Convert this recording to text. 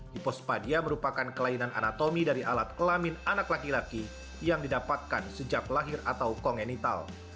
hipospadia merupakan kelainan anatomi dari alat kelamin anak laki laki yang didapatkan sejak lahir atau kongenital